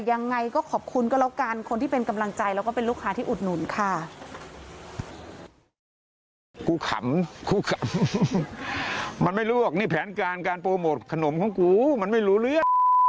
มันไม่รู้ว่านี่แผนการการโปรโมทของกูมันไม่รู้เลย